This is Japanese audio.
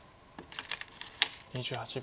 ２８秒。